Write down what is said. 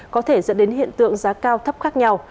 có thể dẫn đến hiện tượng giá cao thấp khác nhau